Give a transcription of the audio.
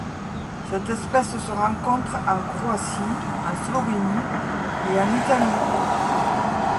Cette espèce se rencontre en Croatie, en Slovénie et en Italie.